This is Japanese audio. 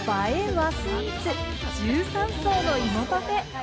和スイーツ、１３層の芋パフェ。